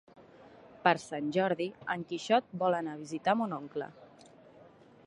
Per Sant Jordi en Quixot vol anar a visitar mon oncle.